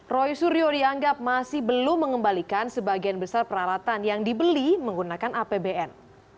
roy suryo dianggap masih belum mengembalikan sebagian besar peralatan yang dibeli menggunakan apbn